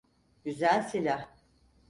Güzel silah.